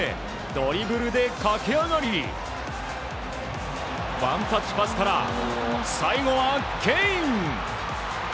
ドリブルで駆け上がりワンタッチパスから最後はケイン！